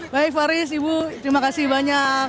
baik faris ibu terima kasih banyak